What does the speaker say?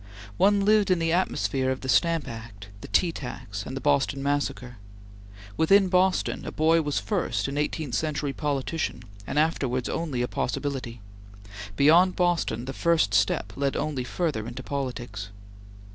One lived in the atmosphere of the Stamp Act, the Tea Tax, and the Boston Massacre. Within Boston, a boy was first an eighteenth century politician, and afterwards only a possibility; beyond Boston the first step led only further into politics.